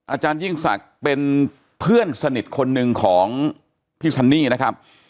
อาจารยิ่งศักดิ์เป็นเพื่อนสนิทคนหนึ่งของพี่ซันนี่นะครับ